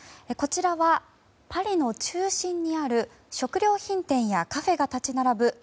こちらは、パリの中心にある食料品店やカフェが立ち並ぶ